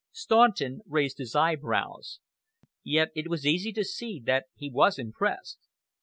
Staunton raised his eyebrows. Yet it was easy to see that he was impressed.